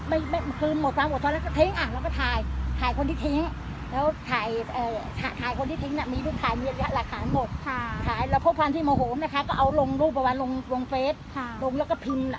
ไปแล้วนี่อย่างเพื่อเอาไป